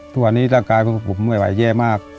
ตัวนี้ร่างกายพ่อผมแย่มาก